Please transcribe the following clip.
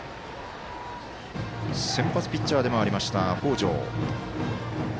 先発ピッチャーでもありました北條。